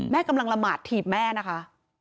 กำลังละหมาดถีบแม่นะคะ